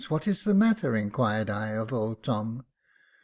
what is the matter.'"' inquired I of old Tom.